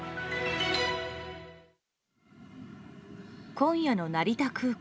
今夜の成田空港。